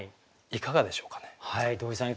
いかがでしょう？